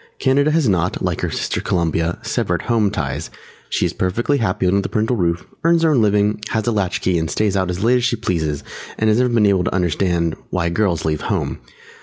Canada has not, like her sister Columbia, "severed home ties"; she is perfectly happy under the parental roof, earns her own living, has a latch key and stays out as late as she pleases and has never been able to understand "why girls leave home."